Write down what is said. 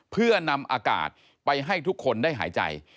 เพื่อนำอากาศไปให้ทุกคนได้หายใจ